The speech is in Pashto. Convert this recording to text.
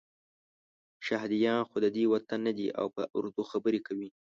شهادیان خو ددې وطن نه دي او په اردو خبرې کوي.